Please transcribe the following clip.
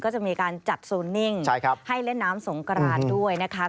ก็จะมีการจัดโซนนิ่งให้เล่นน้ำสงกรานด้วยนะคะ